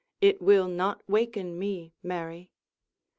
It will not waken me, Mary!